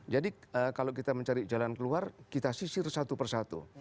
jadi kalau kita mencari jalan keluar kita sisir satu persatu